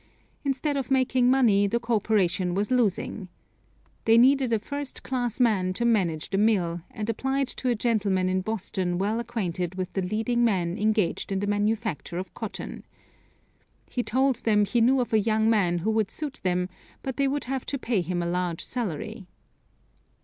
Instead of making money the corporation was losing. They needed a first class man to manage the mill, and applied to a gentleman in Boston well acquainted with the leading men engaged in the manufacture of cotton. He told them he knew of a young man who would suit them, but they would have to pay him a large salary.